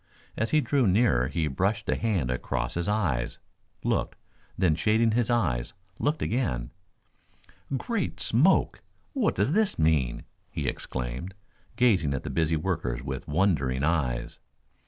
As he drew nearer he brushed a hand across his eyes, looked, then shading his eyes looked again. "Great Smoke! What does this mean?" he exclaimed, gazing at the busy workers with wondering eyes.